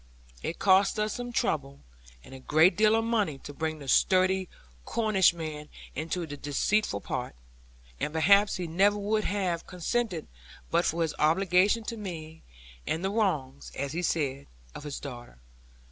It cost us some trouble and a great deal of money to bring the sturdy Cornishman into this deceitful part; and perhaps he never would have consented but for his obligation to me, and the wrongs (as he said) of his daughter.